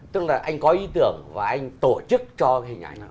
tức là anh có ý tưởng và anh tổ chức cho hình ảnh đó